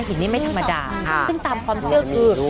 หินนี้ไม่ธรรมดาซึ่งตามความเชื่อคือ